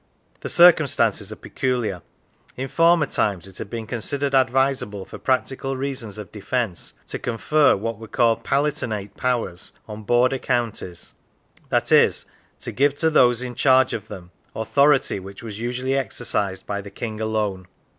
The circumstances are peculiar. In former times it had been considered advisable, for practical reasons of defence, to confer what were called palatinate powers on border counties i.e., to give to those in charge of them authority which was usually exercised by the King alone.